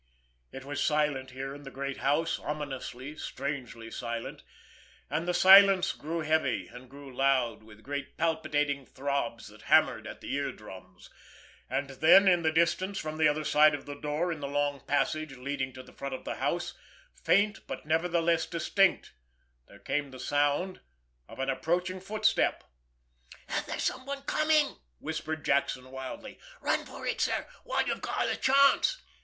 It was silent here in the great house, ominously, strangely silent; and the silence grew heavy, and grew loud with great palpitating throbs that hammered at the ear drums—and then, in the distance, from the other side of the door in the long passage leading to the front of the house, faint but nevertheless distinct, there came the sound of an approaching footstep. "There's someone coming!" whispered Jackson wildly. "Run for it, sir—while you've got the chance!"